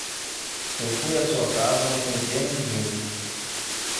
Eu fui a sua casa uma centena de vezes.